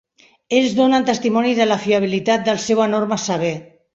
Ells donen testimoni de la fiabilitat del seu enorme saber.